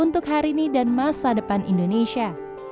untuk hari ini dan masa depan indonesia